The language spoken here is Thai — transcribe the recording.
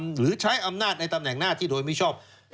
หรือใช้อำนาจในตำแหน่งหน้าที่โดยมิชอบ